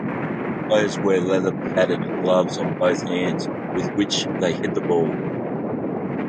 Players wear leather padded gloves on both hands, with which they hit the ball.